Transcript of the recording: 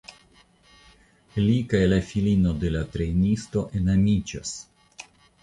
Li kaj la filino de la trejnisto enamiĝas.